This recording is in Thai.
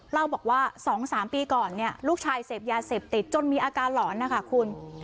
เล่าบอกว่า๒๓ปีก่อนเนี่ยลูกชายเสพยาเสพติดจนมีอาการหลอนนะคะคุณ